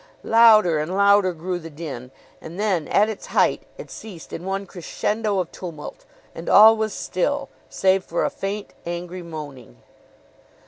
Louder and louder grew the din; and then, at its height, it ceased in one crescendo of tumult, and all was still, save for a faint, angry moaning.